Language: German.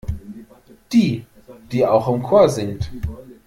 Die, die auch im Chor singt.